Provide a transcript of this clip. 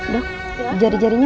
terima kasih banyak